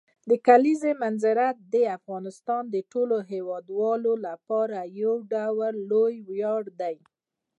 د کلیزو منظره د افغانستان د ټولو هیوادوالو لپاره یو ډېر لوی ویاړ دی.